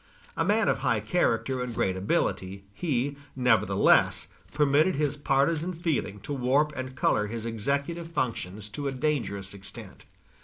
A man of high character and great ability, he, nevertheless, permitted his partizan feeling to warp and color his executive functions to a dangerous extent.